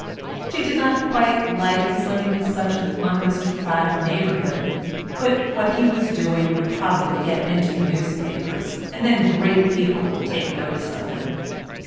She did not quite like his living in such an unaristocratic neighbourhood; but what he was doing would probably get into the newspapers, and then great people would take notice of him.